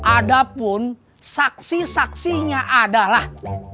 ada pun saksi saksinya adalah